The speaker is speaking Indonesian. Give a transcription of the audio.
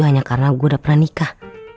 hanya karena gue udah pernah nikah